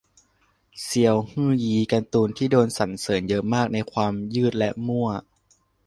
เซียวฮื่อยี้ -การ์ตูนที่โดนสรรเสริญเยอะมากในความยืดและมั่ว